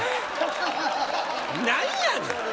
何やねん！